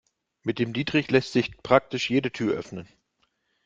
Mit dem Dietrich lässt sich praktisch jede Tür öffnen.